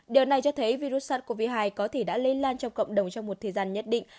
điều này cho thấy virus sars cov hai có thể đã lây lan trong cộng đồng trong một thời gian nhất định